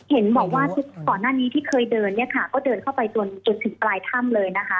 เห็นบอกว่าก่อนหน้านี้ที่เคยเดินเนี่ยค่ะก็เดินเข้าไปจนถึงปลายถ้ำเลยนะคะ